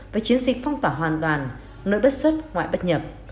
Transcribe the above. với chiến dịch phong tỏa hoàn toàn nợ bất xuất ngoại bất nhập